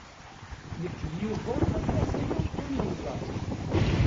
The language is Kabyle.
Nekk d Yuba aṭas aya ur nemẓer.